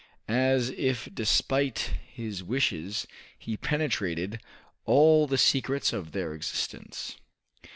As if despite his wishes, he penetrated all the secrets of their existence.